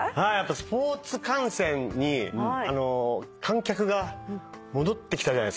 スポーツ観戦に観客が戻ってきたじゃないっすか。